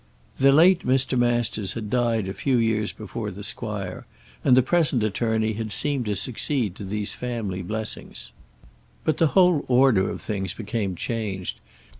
The late Mr. Masters had died a few years before the squire, and the present attorney had seemed to succeed to these family blessings. But the whole order of things became changed.